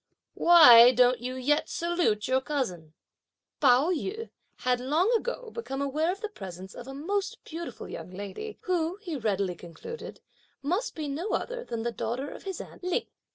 Why don't you yet salute your cousin?" Pao yü had long ago become aware of the presence of a most beautiful young lady, who, he readily concluded, must be no other than the daughter of his aunt Lin.